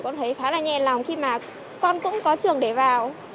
con thấy khá là nhẹ lòng khi mà con cũng có trường để vào